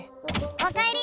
おかえり！